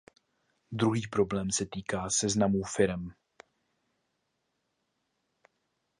Druhý problém se týká seznamů firem.